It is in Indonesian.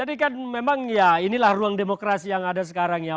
jadi kan memang ya inilah ruang demokrasi yang ada sekarang ya